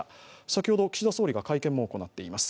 先ほど、岸田総理が会見も行っています。